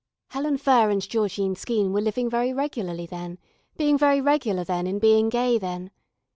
Helen Furr and Georgine Skeene were living very regularly then, being very regular then in being gay then.